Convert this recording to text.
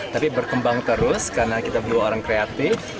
tapi berkembang terus karena kita beliau orang kreatif